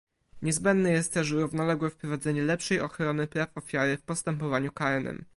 Niezbędne jest też równoległe wprowadzenie lepszej ochrony praw ofiary w postępowaniu karnym